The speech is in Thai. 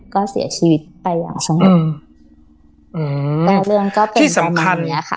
ก็เสียชีวิตไปอย่างทั้งหมดอืมแต่เรื่องก็เป็นตอนนี้ค่ะ